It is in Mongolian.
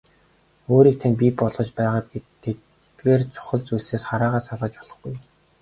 Өөрийг тань бий болгож байгаа тэдгээр чухал зүйлсээс хараагаа салгаж болохгүй.